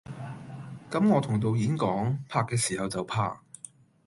咁我同導演講，拍嘅時候就拍！